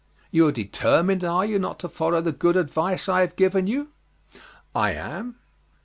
"You are determined, are you, not to follow the good advice I have given you?" "I am."